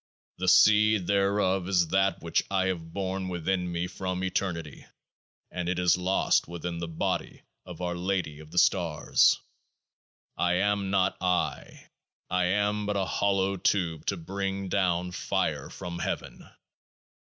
The seed thereof is That which I have borne within me from Eternity ; and it is lost within the Body of Our Lady of the Stars. I am not I ; I am but an hollow tube to bring down Fire from Heaven.